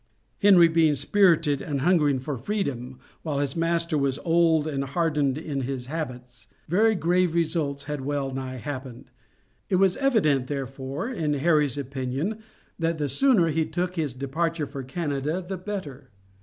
Henry being spirited and hungering for freedom, while his master was old and hardened in his habits, very grave results had well nigh happened; it was evident, therefore, in Harry's opinion that the sooner he took his departure for Canada the better.